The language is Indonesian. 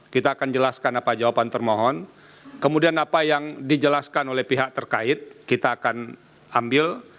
kita akan jelaskan apa jawaban termohon kemudian apa yang dijelaskan oleh pihak terkait kita akan ambil